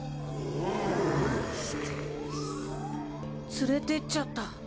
連れてっちゃった。